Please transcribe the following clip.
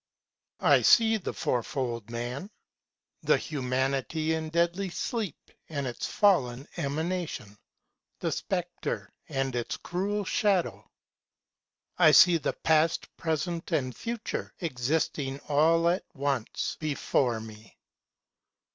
I SEE the Fourfold Man; the Humanity in deadly sleep, And its fallen Emanation, the Spectre and its cruel Shadow.I see the Past, Present, and Future existing all at onceBefore me.